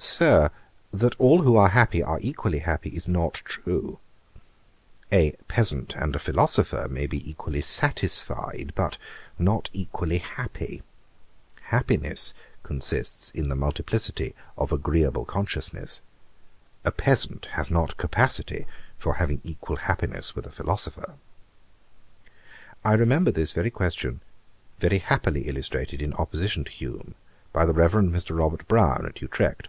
'Sir, that all who are happy, are equally happy, is not true. A peasant and a philosopher may be equally satisfied, but not equally happy. Happiness consists in the multiplicity of agreeable consciousness. A peasant has not capacity for having equal happiness with a philosopher.' I remember this very question very happily illustrated in opposition to Hume, by the Reverend Mr. Robert Brown, at Utrecht.